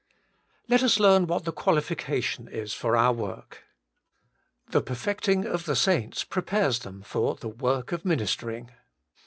Let us learn what the qualification is for our work. ' The perfecting of the saints ' prepares them for the ' work of minister ing.'